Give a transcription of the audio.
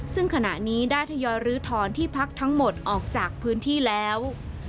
ซึ่งขณะนี้ได้ทยอยลื้อถอนที่พักทั้งหมดออกจากพื้นที่แล้ว